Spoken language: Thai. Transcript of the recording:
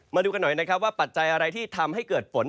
มาดูกันหน่อยนะครับว่าปัจจัยอะไรที่ทำให้เกิดฝน